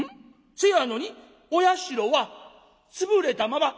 せやのにお社は潰れたまま」。